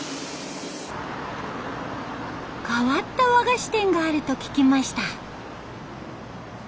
変わった和菓子店があると聞きました。